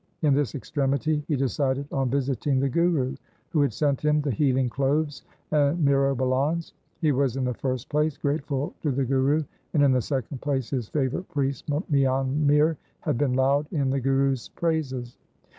In this extremity he decided on visiting the Guru, who had sent him the healing cloves and myrobalans. He was, in the first place, grateful to the Guru, and, in the second place, his favourite priest Mian Mir had been loud in the Guru's praises.